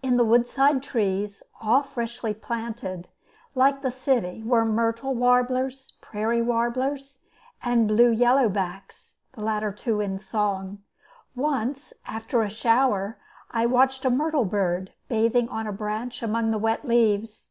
In the roadside trees all freshly planted, like the city were myrtle warblers, prairie warblers, and blue yellowbacks, the two latter in song. Once, after a shower, I watched a myrtle bird bathing on a branch among the wet leaves.